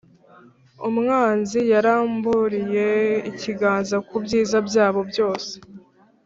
Umwanzi yaramburiye ikiganza ku byiza byayo byose,